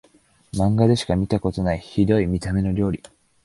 マンガでしか見たことないヒドい見た目の料理